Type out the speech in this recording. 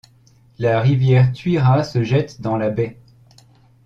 La rivière Tuira se jette dans la baie.